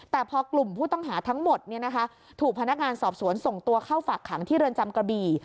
แต่พอกลุ่มผู้ต้องหาทั้งหมดถูกพนักงานสอบสวนส่งตัวเข้าฝากขังที่เรือนจำกระบี่